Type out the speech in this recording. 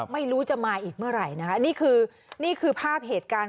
ไม่รู้จะมาอีกเมื่อไหร่นะคะนี่คือนี่คือภาพเหตุการณ์